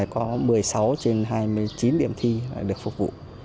có một mươi sáu trên hai mươi chín điểm thi được phục vụ